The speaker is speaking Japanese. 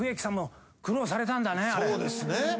そうですね。